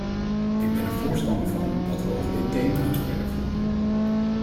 Ik ben er voorstander van dat we over dit thema gesprekken voeren.